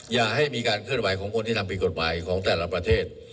อย่าให้มีการเคลื่อนไหวของคนที่ทำผิดกฎหมายของแต่ละประเทศ